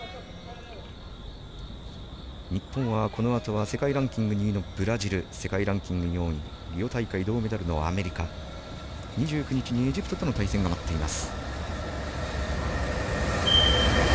日本はこのあとは世界ランキング２位のブラジル、世界ランキング４位アメリカ２９日にエジプトとの対戦が待っています。